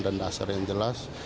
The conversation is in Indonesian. dan asar yang jelas